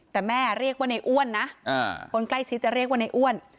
แต่แม่เรียกว่าในอ้วนนะคนใกล้ชิดจะเรียกว่าในอ้วน